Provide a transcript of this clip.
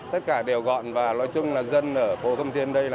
tất cả đều gọn và nói chung là dân ở phố thông thiên đây